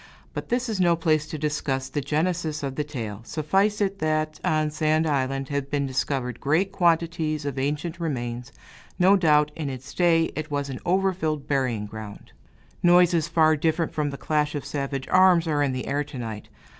But this is no place to discuss the genesis of the tale. Suffice it, that on Sand Island have been discovered great quantities of ancient remains. No doubt, in its day, it was an over filled burying ground. Noises, far different from the clash of savage arms, are in the air to night.